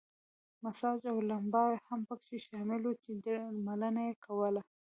مساج او لمبا هم پکې شامل وو چې درملنه یې کوله.